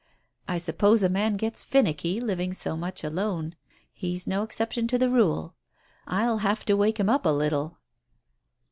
I suppose a man gets finnicky, living so much alone. He's no exception to the rule. I'll have to wake him up a little.